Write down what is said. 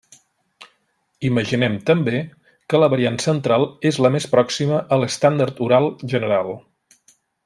Imaginem també que la variant central és la més pròxima a l'estàndard oral general.